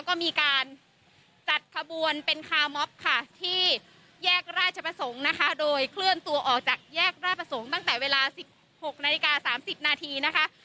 ก็มีการจัดขบวนเป็นคาร์มอฟค่ะที่แยกราชประสงค์นะคะโดยเคลื่อนตัวออกจากแยกราชประสงค์ตั้งแต่เวลา๑๖นาฬิกา๓๐นาทีนะคะ